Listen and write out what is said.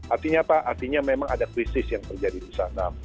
artinya apa artinya memang ada krisis yang terjadi di sana